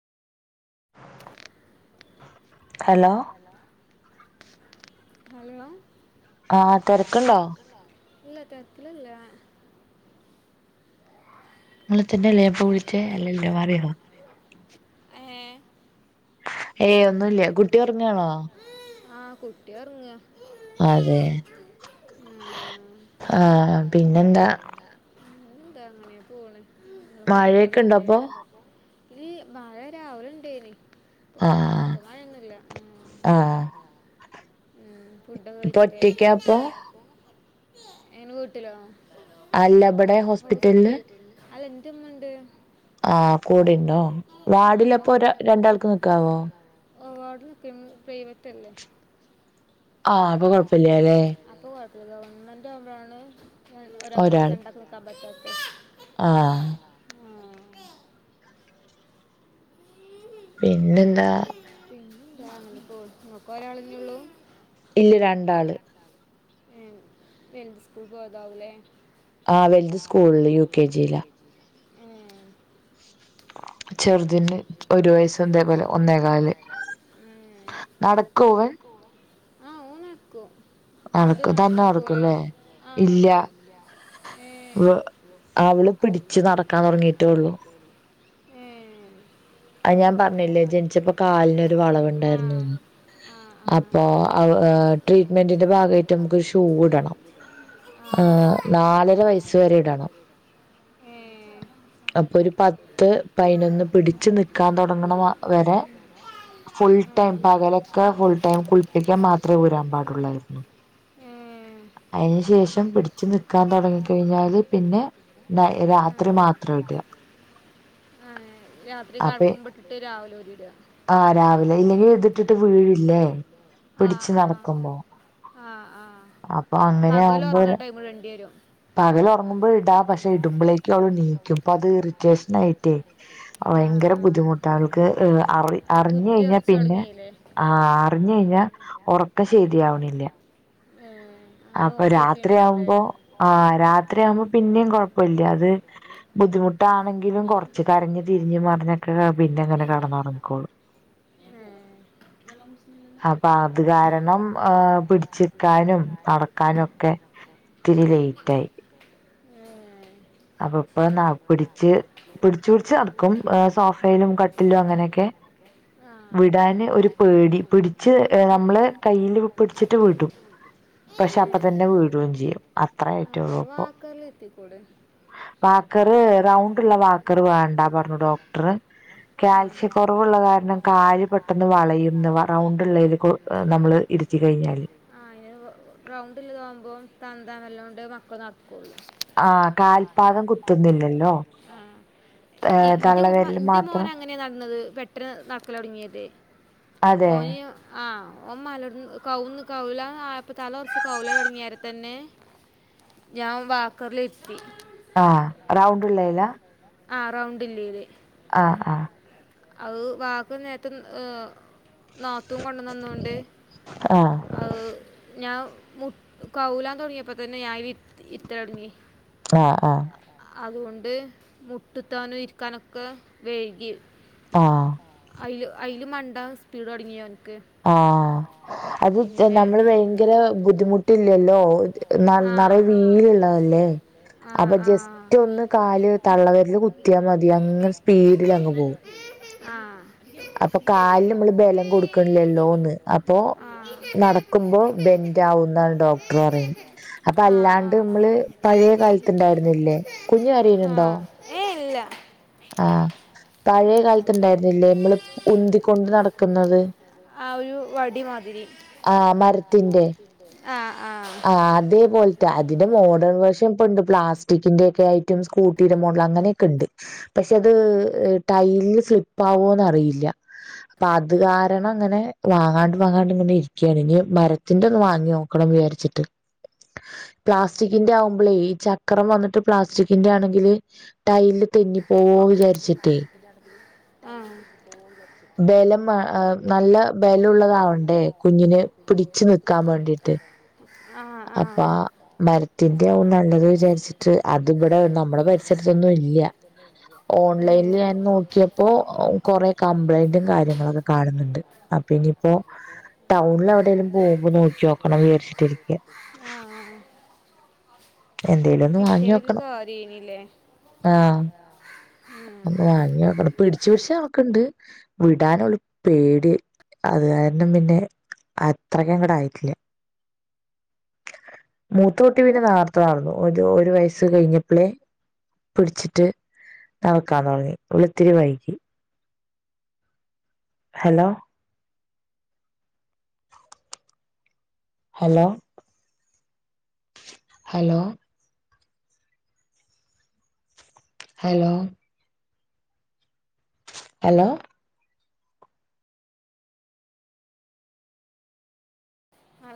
Hello hello hello ആ തെരക്ക്ണ്ടോ ഇല്ല തെരക്ക്ലല്ല ഇങ്ങളെ തന്നെ അല്ലേ ഞാൻ ഇപ്പം വിളിച്ചേ അല്ലല്ലോ മാറിയോ ഏ ഏയ് ഒന്നുല്ല കുട്ടി ഒറങ്ങാണോ? ആ കുട്ടി ഒർങ്ങാ അതെ ആഹ് പിന്നെന്താ പിന്നെന്താ അങ്ങനേ പോണ് നിങ്ങള് ഫുഡൊക്കല് മഴയൊക്കെ ഉണ്ടോ കഴിഞ്ഞോ അപ്പൊ [unintelligible] രാവിലെ ഉണ്ടേനി ആഹ് [inaudible] ആഹ് ഫുഡൊക്ക ഇപ്പൊ കഴിച്ചില്ലേ ഒറ്റക്കാ അപ്പൊ എനെ വീട്ടിലോ അല്ല ഇബ്ടെ ഹോസ്പിറ്റൽല് റ്റ് ന്നുണ്ട് ആഹ് കൂടെ ഇണ്ടോ. അമ്മ വാഡിലപ്പൊ ര കൂടും രണ്ടാൾക്ക് നിക്കാവോ ഓ വാർഡ് നിൽക്കും പ്രൈവറ്റ് അല്ലേ ആഹ് അപ്പൊ കൊഴപ്പല്ല്യാല്ലേ ഇത് ഗവൺമെന്റ് ആവ്മ്പഴാണ് ഞാൻ ഒരാക്ക് ഒരാൾ രണ്ടാക്ക് നിക്കാൻ പറ്റാ ആഹ് പി പിന്നെന്താ [inaudible] ഇങ്ങക്കൊരാളന്നെ ഒള്ളൂ ഇല്ല രണ്ടാള് ഉം വലുത് സ്കൂൾ പോയതാവൂലേ ആഹ് വലുത് സ്കൂളില് യു കെ ജി ലാ ഉം ചെറുതിന് ഒരു വയസ് ഇതേപോലെ ഒന്നേകാല് നടക്കു അവൻ ആഹ് ഓന്നടക്കും മ്മളത് നട് തന്നെ നടക്കൂലേ നടക്കുംല്ലേ ആഹ് ഇല്ല നട്ക്കും ഏഹ് അവള് പിടിച്ചു നടക്കാൻ തുടങ്ങിയിട്ടേ ഏ അയ് ഞാൻ പറഞ്ഞില്ലേ ജനിച്ചപ്പോ കാലിനൊരു ആ വളവുണ്ടായിരുന്നുന്ന് ആ അപ്പൊ അവ് ആ ട്രീറ്റ്മെന്റിന്റെ ഭാഗായിട്ട് നമുക്കൊരു ഷൂ ഇടണം. ആ ആഹ് ആ നാലര വയസ് വരെ ഇടണം. ഏ അപ്പൊര് പത്ത് പയിനൊന്ന് പിടി ച്ച്ന്ന് ക്കാൻ തൊടങ്ങണ വ വരെ ഫുൾ ആ. ടൈം പകലൊക്ക ഫുൾ ടൈം കുളിപ്പിക്കാൻ മാത്രേ ഊരാൻ പാടുള്ളായിരുന്നു ഏ. അയ്നു ശേഷം പിടിച്ച് നിക്കാൻ തൊടങ്ങി കഴിഞ്ഞാല് പിന്നെ നൈ രാത്രി മാത്ര ഇട്ആ തുടങ്ങിക്കഴിഞ്ഞാല് പിന്നെ രാത്രി മാത്രം ഇട ആ, രാത്രി അപ്പ കടക്കുമ്പോ ഇട്ടിട്ട് രാവിലെ ഒരിടുക ആ രാവിലെ ഇല്ലെങ്കിൽ ഇതിട്ടിട്ട് വീഴില്ലേ ആ പിടിച്ച് ആ നടക്കുമ്പോ ആ ആ അപ്പൊ അങ്ങനെ പകൽ ആകുമ്പോ ഉറങ്ങാൻ ടൈം വേണ്ടി വരും പകല് ഒറങ്ങുമ്പോ ഇടാ പക്ഷെ ഇടുമ്പളേക്ക് അവള് നീക്കും അപ്പത് ഇറിറ്റേഷൻ ആയിട്ടേ ആ ഭയങ്കര ആ ബുദ്ധിമുട്ട് അവൾക്ക് അറി ഇപ്പൊ അറിഞ്ഞ ബുദ്ധി കഴിഞ്ഞാൽ ഉറച്ചു പിന്നെ തുടങ്ങിയില്ലേ ആ അറിഞ്ഞ കഴിഞ്ഞാൽ ഉറക്ക ശരിയാവണില്ല ഏ, അത് അപ്പൊ നോക്കി നോക്കി ഉണ്ടാവൂലേ രാത്രിയാവുമ്പോ ആ രാത്രിയാവുമ്പോ പിന്നെയും കൊഴല്ല അത് ബുദ്ധിമുട്ടാണെങ്കിലും കൊറച്ച് കരഞ് തീ തിരിഞ്ഞും മറിഞ്ഞൊക്കെ പിന്നെ അങ്ങനെ കടന്നറങ്ങിക്കോളൂ ഏ, അപ്പൊ അത് കാരണം ഏ പിടിച്ചിക്കാനും നടക്കാനൊക്കെ ഒത്തിരി ലേറ്റ് ആയി ഏ, അപ്പൊ ഇപ്പൊ ന്ന പിടിച്ച് പിടിച്ച് പിടിച്ച് നട ക്കും സോഫയിലും, കട്ടിലും അങ്ങനെയൊക്കെ ആ വിടാന് ഒരു പേടി പിടിച്ച് ഏ നമ്മള് കയ്യില് പിടിച്ചിട്ട് വിടും ഏ. പക്ഷെ അപ്പ തന്നെ വിടൂ ചെയ്യും അത്ര ആ ആയ്റ്റൊള്ളൂപ്പം. വാക്കറിൽ എത്തിക്കൂടെ വാക്കറ് റൗണ്ടുള്ള വാക്കറ് വേണ്ടാ പറഞ്ഞു. കാൽസ്യ ആ കൊറവുള്ള കാരണം കാല് പെട്ടെന്ന് വളയുന്നു റൗണ്ട് ഉള്ളേല് നമ്മള് ഇരുത്തി കഴിഞ്ഞാല് ആ അതിന് [unintelligible] ആഹ് ആ കാൽപാദം കാൽപാദം കുത്തുന്നില്ലല്ലോ [inaudible] ഈ ഇന്റെ തള്ളവരിൽ ഇന്റെ മാത്രം മോന് അങ്ങനെയാണ് നടന്നത് പെട്ടെന്ന് നടക്കല് തുടങ്ങിയത് അതെ ഓന് ആ ഓ മലന്ന് കൗന്ന് കൗല ആയപ്പ തല കുറച്ച് കൗല തുടങ്ങിയരെ തന്നെ ഞാൻ വാക്കറില ഇരിത്തി ആ റൗണ്ട് ഉള്ളയ്ല്ലാ ആ റൗണ്ട് ഇല്ലീയ്ല് ആഹ് ആഹ് അത് വാക്ക നേത്ത ഏ നാതൂൻ കൊണ്ടന്ന് തന്നോണ്ട് ആഹ് അയ് ഞാൻ മു കൗലാം തുടങ്ങിയപ്പെ തന്നെ ഞാൻ ഇരുത്തൽ തുടങ്ങി ആഹ് ആഹ് അതുകൊണ്ട് മുട്ടുത്താനും ഇരിക്കാനൊക്കെ വൈഴ്കി ആഹ് അയില് അയില് മണ്ടാൻ സ്പീഡ് തുടങ്ങി ഓൻ ആ അത് നമ്മള് ഭയങ്കര ബുദ്ധിമുട്ടി ല്ലല്ലോ ആ നിറയ വീലള്ളതല്ലേ ആ അപ്പൊ ആ ജസ്റ്റ് ആ ഒന്ന് കാല് തള്ളവരില് കുത്തിയാൽ മതി അങ്ങനെ സ്പീഡിൽ അങ്ങ് പോകും ആ അപ്പൊ കാലിൽ നമ്മള് ബലം കൊടുക്കണില്ലല്ലോ ഒന്ന് അപ്പൊ നടക്കുമ്പോ ബെന്റ ആവുന്നാണ് ഡോക്ടർ പറയുന്നത് അപ്പൊ ആ ആ അല്ലാണ്ട് നമ്മള് പഴയ കാലത്ത് ഉണ്ടായിരുന്നില്ലേ കുഞ്ഞു ആ കരയുനുണ്ടോ ഏ ഇല്ല ഉം. കാലത്ത് ഉണ്ടായിരുന്നില്ലേ നമ്മള് ഉന്തികൊണ്ട് നടക്കുന്നത് ആ ഒരു വടിമാതിരി ആ മരു- ത്തിന്റെ ആ അതേപോലത്തെ അതിന്റെ മോഡേൺ വെർഷം ഒണ്ട് പ്ലാസ്റ്റി- ഡിക്കിന്റെ ഒക്കെ ഐറ്റം സ് - ീതീ [unintelligible] രൊമോഡൽ അങ്ങനെയൊക്കെ ഉണ്ട് പക്ഷെ അത് ടൈലില് സ്ലിപ്പ് ആവോന്ന് അറിയില്ല അപ്പൊ അത് കാരണം അങ്ങനെ വാങ്ങാണ്ട് വാങ്ങാണ്ട് ഇങ്ങനെ ഇരിക്ക ാണ് [unintelligible] ഇനി മരത്തിന്റെ ഒന്ന് വാങ്ങി നോക്കണം വിചാരിച്ചിട്ട് പ്ലാസ്റ്റിക്കിന്റെ ആവുമ്പോളേ ഈ ചക്രം വന്നിട്ട് പ്ലാസ്റ്റിക്കിന്റെ ആണെങ്കില് ടൈലില് തെന്നിപ്പോവൊ വിചാരിച്ചിട്ട് ആ [unintelligible] നല്ല ബലംയുള്ളതാവണ്ടേ ഇങ്ങനെ പിടിച്ചു നിക്കാൻ വേണ്ടീട്ട് ആ ആ അപ്പം മരത്തിന്റെ ആവും നല്ലത് വിചാരിച്ചിട്ട് അതിവിടെ നമ്മുടെ പരിസരത്തൊന്നും ഇല്ല ഏ ഓൺലൈനിൽ ഞാൻ നോക്കിയപ്പോ കൊറെ കംപ്ലൈന്റും കാര്യങ്ങളൊക്കെ കാണുന്നുണ്ട് ആപ്പം ഇനി ഇപ്പോ ടൗണിൽ എവിടെലും പോകുമ്പോ നോക്ക്യോക്കണം വിചാരിച്ചിട്ടിരിക്ക ആ ആ എന്തേലും ഒന്ന് വാങ്ങി കിട്ടിയ ഒരു വെക്കണം കാര്യമില്ലേ ആ ഒന്ന് വാങ്ങി വെക്കണം പിടിച്ചു പിടിച്ച ടക്കുണ്ട് വിടാനൊ ഒരു പേടി അത് കാരണം പിന്നെ അത്രക്കങ്ങട്ട് ആയിട്ടില്ല മൂത്ത കുട്ടി പിന്നെ നേരത്തെ നടന്നു ഓൻക്ക് ഒരു വയസ്സ് കഴിഞ്ഞപ്പോളെ പിടിച്ചിട്ട് നടക്കാ തുടങ്ങി ഇവള് ഇത്തിരി വൈകി ഹലോ ഹലോ ഹലോ ഹലോ ആ